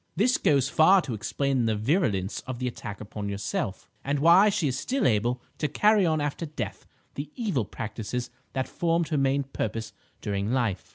This goes far to explain the virulence of the attack upon yourself, and why she is still able to carry on after death the evil practices that formed her main purpose during life."